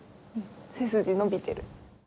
背筋伸びてる。